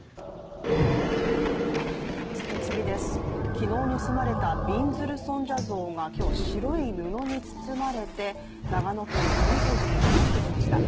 昨日盗まれたびんずる尊者像が今日、白い布に包まれて長野県の善光寺に戻ってきました。